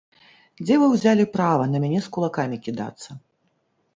Дзе вы ўзялі права на мяне з кулакамі кідацца?